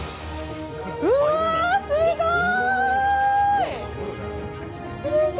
うわー、すごい！